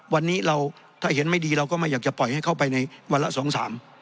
วันนี้เราถ้าเห็นไม่ดีเราก็ไม่อยากจะปล่อยให้เข้าไปในวันละสองสาม